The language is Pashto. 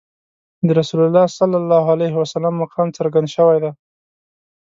د رسول الله صلی الله علیه وسلم مقام څرګند شوی دی.